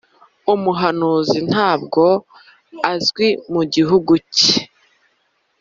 umuhanuzi ntabwo azwi mu gihugu cye